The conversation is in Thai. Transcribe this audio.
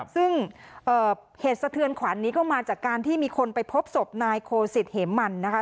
ซึ่งเหตุสะเทือนขวัญนี้ก็มาจากการที่มีคนไปพบศพนายโคสิตเหมมันนะคะ